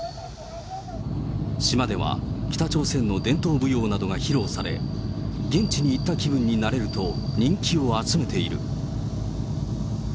島では、北朝鮮の伝統舞踊などが披露され、現地に行った気分になれると、人気を集めている。